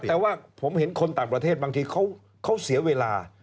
แต่ว่าผมเห็นคนต่างประเทศบางทีเขาเสียเวลา